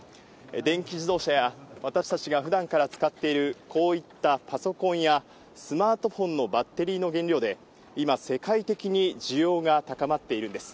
電気自動車や、私たちがふだんから使っている、こういったパソコンやスマートフォンのバッテリーの原料で、いま世界的に需要が高まっているんです。